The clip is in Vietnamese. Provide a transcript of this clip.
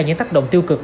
những tác động tiêu cực